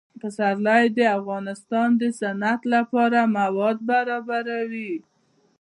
پسرلی د افغانستان د صنعت لپاره مواد برابروي.